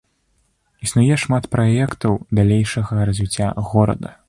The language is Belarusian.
Існуе шмат праектаў далейшага развіцця горада.